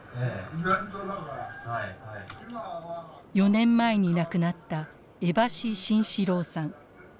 ４年前に亡くなった江橋慎四郎さん。